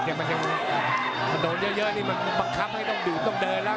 ถ้าโดนเยอะนี่มันบังคับให้ต้องเดินแล้ว